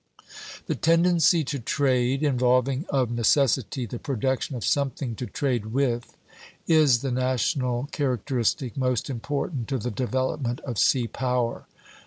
The tendency to trade, involving of necessity the production of something to trade with, is the national characteristic most important to the development of sea power.